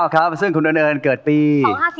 ๒๕๒๙ครับซึ่งครูอร์นแอ่นเกิดปี